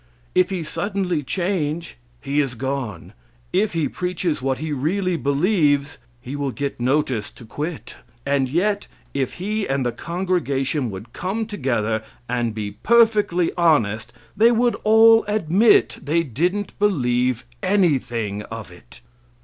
If he suddenly change, he is gone. If he preaches what he really believes, he will get notice to quit. And yet if he and the congregation would come together and be perfectly honest, they would all admit they didn't believe anything of it.